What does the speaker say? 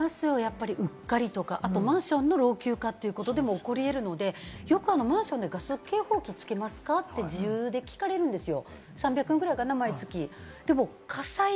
うっかりとか、マンションの老朽化でも起こり得るので、よくマンションでガス警報器つけますか？って聞かれるんですよ。